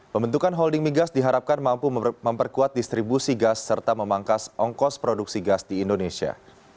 pembentukan holding migas diharapkan mampu memperkuat distribusi gas serta memangkas ongkos produksi gas di indonesia